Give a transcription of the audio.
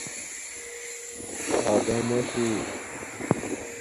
آداماشݸ